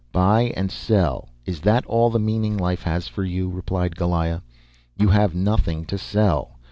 "Buy and sell is that all the meaning life has for you?" replied Goliah. "You have nothing to sell.